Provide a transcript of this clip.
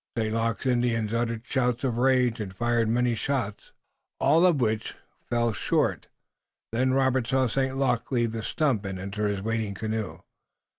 St. Luc's Indians uttered shouts of rage and fired many shots, all of which fell short. Then Robert saw St. Luc leave the stump and enter his waiting canoe.